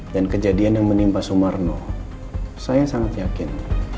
dan kejadian yang menimpa sumarno saya sangat yakin